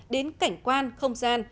đến cảnh quan không gian